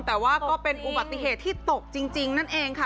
แต่ว่าก็เป็นอุบัติเหตุที่ตกจริงนั่นเองค่ะ